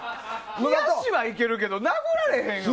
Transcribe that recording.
冷やしはいけるけど殴られへんよ！